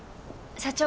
社長